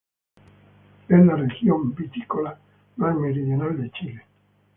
Es la región vitícola más meridional de Chile.